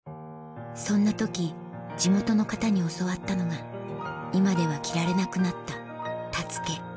そんな時地元の方に教わったのが今では着られなくなった「たつけ」